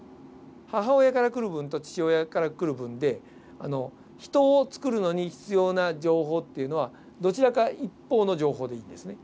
母親から来る分と父親から来る分でヒトを作るのに必要な情報っていうのはどちらか一方の情報でいいんですね。